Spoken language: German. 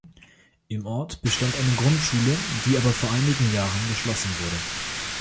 Im Ort bestand eine Grundschule, die aber vor einigen Jahren geschlossen wurde.